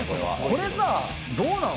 これさどうなの？